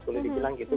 boleh dibilang gitu